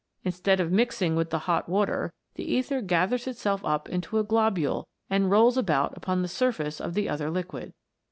Instead of mixing with the hot water, the ether gathers itself up into a globule and rolls about upon the surface of the other liquid.